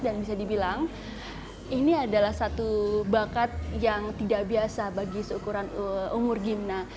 dan bisa dibilang ini adalah satu bakat yang tidak biasa bagi seukuran umur gimna